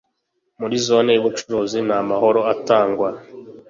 muri Zone y’ubucuruzi nta mahoro atangwa